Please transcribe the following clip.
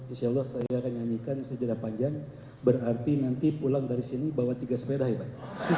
insyaallah saya akan nyanyikan sejarah panjang berarti nanti pulang dari sini bawa tiga serai pak